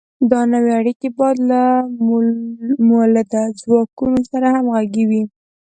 دا نوې اړیکې باید له مؤلده ځواکونو سره همغږې وي.